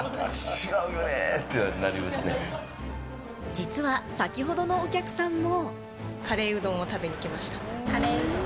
実は先ほどのお客さんも。